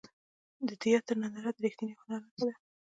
د تیاتر ننداره د ریښتیني هنر نښه ده.